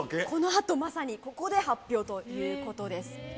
このあとまさにここで発表ということです。